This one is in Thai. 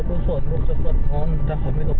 พ่อไม่เค้ามาตามหนูอ่ะ